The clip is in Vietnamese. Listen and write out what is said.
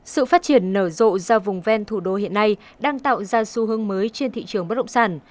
sự phát triển nở rộ ra vùng ven thủ đô hiện nay đang tạo ra xu hướng mới trên thị trường bất động sản